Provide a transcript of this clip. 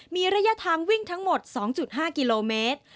มีระยะทางวิ่งทั้งหมด๒๕กิโลเมตร